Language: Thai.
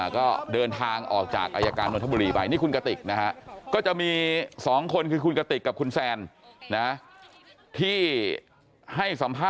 ก็เดินทางออกจากอัยการนวลธบุรีไปนี่คุณกติกนะฮะ